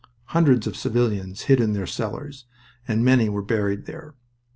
Hundreds of civilians hid in their cellars, and many were buried there.